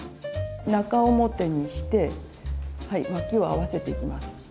中表にしてわきを合わせていきます。